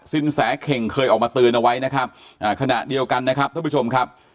สินแสเข่งเคยออกมาเตือนเอาไว้นะครับขณะเดียวกันนะครับท่านผู้ชมครับ